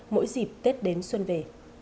mỗi dịp tết đến xuân về